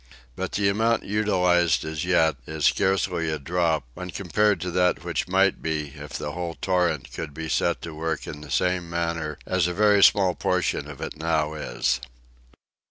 But the amount utilized as yet is scarcely a drop when compared with that which might be if the whole torrent could be set to work in the same manner as a very small portion of it now is.